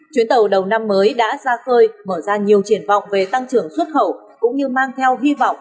chuyến tàu đầu năm mới đã ra khơi mở ra nhiều triển vọng về tăng trưởng xuất khẩu cũng như mang theo hy vọng